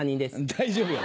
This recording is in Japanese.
大丈夫や！